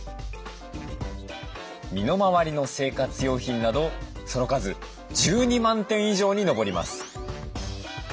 身の回りの生活用品などその数１２万点以上に上ります。